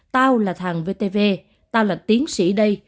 tao là thằng vtv tao là tiến sĩ đây